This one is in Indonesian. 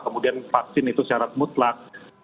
kemudian vaksin itu syarat mutlak